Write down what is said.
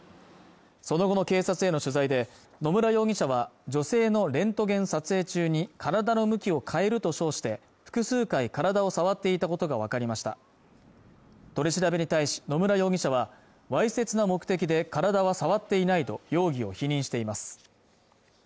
その後の警察への取材で乃村容疑者は女性のレントゲン撮影中に体の向きを変えると称して複数回体を触っていたことが分かりました取り調べに対し乃村容疑者はわいせつな目的で体は触っていないと容疑を否認しています